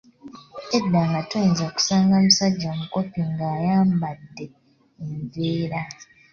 Edda nga toyinza kusanga musajja mukopi ng‘ayambadde enveera.